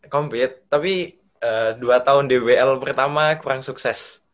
compete tapi dua tahun dwl pertama kurang sukses